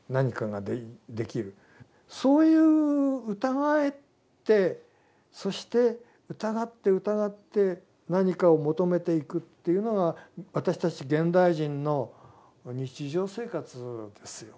そういう疑ってそして疑って疑って何かを求めていくというのが私たち現代人の日常生活ですよ。